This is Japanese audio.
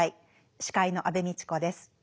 司会の安部みちこです。